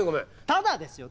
ただですよ